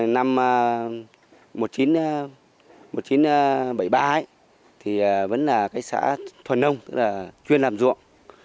năm một nghìn chín trăm bảy mươi ba vẫn là xã thuần nông chuyên làm ruộng